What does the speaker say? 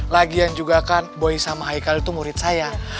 lagian juga kan boy sama aikal itu murid saya